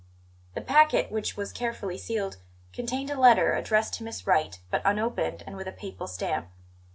The packet, which was carefully sealed, contained a letter, addressed to Miss Wright, but unopened and with a Papal stamp.